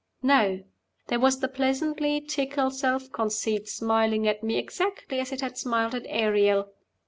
No! There was the pleasantly tickled self conceit smiling at me exactly as it had smiled at Ariel.